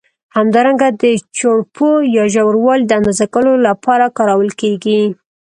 همدارنګه د چوړپو یا ژوروالي د اندازه کولو له پاره کارول کېږي.